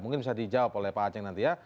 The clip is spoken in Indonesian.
mungkin bisa dijawab oleh pak aceh nanti ya